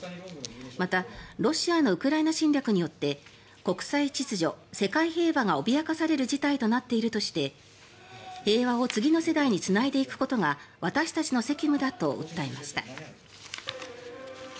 またロシアのウクライナ侵略によって国際秩序、世界平和が脅かされる事態になっているとして平和を次の世代につないでいくことが私たちの責務だと訴えました。